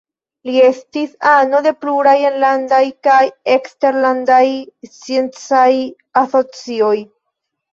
Li estis ano de pluraj enlandaj kaj eksterlandaj sciencaj asocioj.